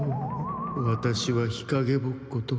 ワタシは日陰ぼっこと